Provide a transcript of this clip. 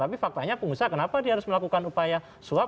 tapi faktanya pengusaha kenapa dia harus melakukan upaya suap